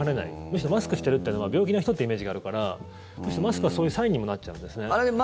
むしろマスクしてるというのは病気の人というイメージがあるからマスクはそういうサインにもなっちゃうんですね。